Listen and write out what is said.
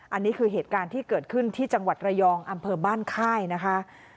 อันนี้คือเหตุการณ์ที่เกิดขึ้นที่จังหวัดระยองอำเภอบ้านค่ายนะคะ